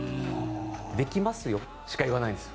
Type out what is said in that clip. できますよしか言わないんです。